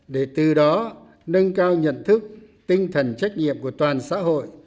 để từ đó nâng cao nhận thức tinh thần trách nhiệm của toàn xã hội